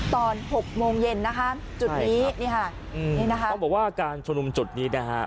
ตอนหกโมงเย็นนะคะจุดนี้อื้อต้องบอกว่าการชมนุมจุดนี้นะคะ